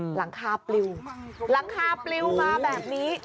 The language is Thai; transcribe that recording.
หลังคาปลิวมาแบบนี้